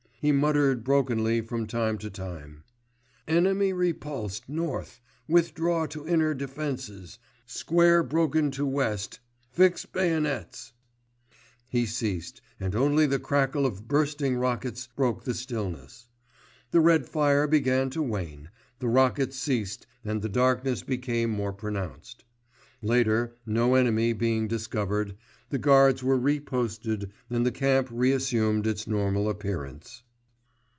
He muttered brokenly from time to time. "Enemy repulsed North.— Withdraw to inner defences.—Square broken to West—Fix bayonets."—He ceased, and only the crackle of bursting rockets broke the stillness. The red fire began to wane, the rockets ceased, and the darkness became more pronounced. Later, no enemy being discovered, the guards were re posted and the camp reassumed its normal appearance.